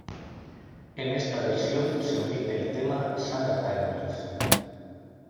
En esta versión se omite el tema "Summertime Blues".